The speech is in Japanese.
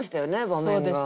場面が。